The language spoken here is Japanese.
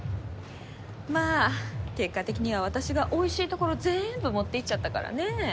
まあ結果的には私がおいしいところぜんぶ持っていっちゃったからねぇ。